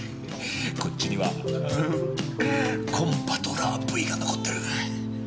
こっちにはフフフッコンバトラーＶが残っている。